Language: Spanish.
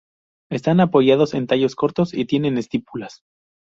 Están apoyados en tallos cortos y tienen estípulas.